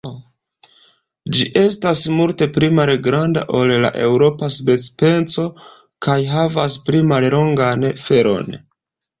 Ĝi estas multe pli malgranda ol la eŭropa sub-speco kaj havas pli mallongan felon.